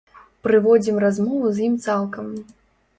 Прыводзім размову з ім цалкам.